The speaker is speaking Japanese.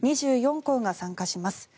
２４校が参加します。